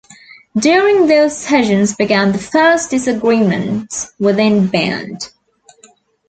During those sessions began the first disagreements within band.